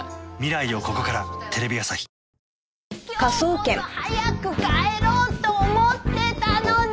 今日こそ早く帰ろうと思ってたのに！